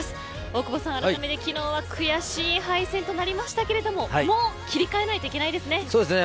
大久保さん、あらためて昨日は悔しい敗戦となりましたけどももう切り替えないといけないですね。